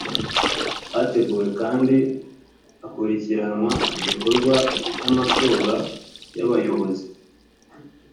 hateguwe kandi hakurikiranwa igikorwa cy’amatora y’abayobozi